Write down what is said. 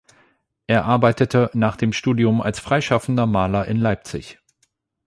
Er arbeitete nach dem Studium als freischaffender Maler in Leipzig.